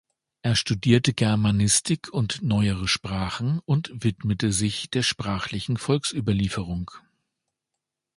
Er studierte Germanistik und neuere Sprachen und widmete sich der sprachlichen Volksüberlieferung.